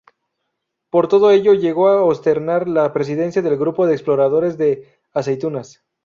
Por todo ello, llegó a ostentar la presidencia del Grupo de Exportadores de Aceitunas.